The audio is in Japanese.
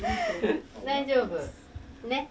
大丈夫。ね。